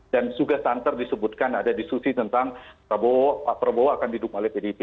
dan juga santer disebutkan ada diskusi tentang prabowo pak prabowo akan didukung oleh pdp